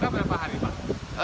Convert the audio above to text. mereka berapa hari pak